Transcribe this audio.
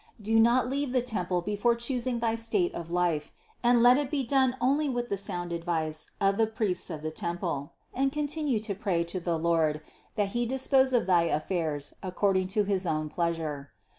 Do not leave the temple before choosing thy state of life, and let it be done only with the sound advice of the priests of the temple, and continue to pray to the Lord that He dispose of thy affairs according to his own pleasure.